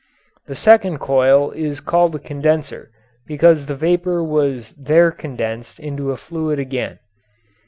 The second coil is called a condenser because the vapour was there condensed into a fluid again.